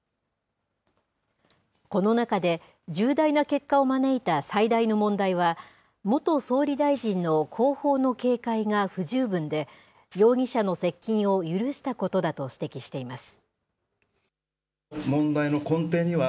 この中で、重大な結果を招いた最大の問題は、元総理大臣の後方の警戒が不十分で、容疑者の接近を許したことだと指摘しています。